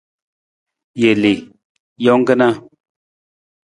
Jelii, jang kana.